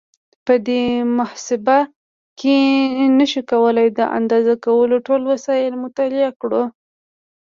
په دې مبحث کې نشو کولای د اندازه کولو ټول وسایل مطالعه کړو.